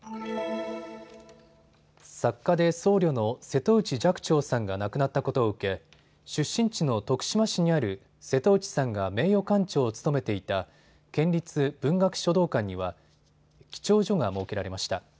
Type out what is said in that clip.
作家で僧侶の瀬戸内寂聴さんが亡くなったことを受け出身地の徳島市にある瀬戸内さんが名誉館長を務めていた県立文学書道館には記帳所が設けられました。